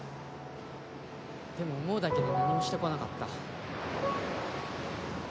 でも思うだけで何もして来なかった。